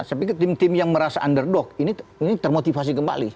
saya pikir tim tim yang merasa underdog ini termotivasi kembali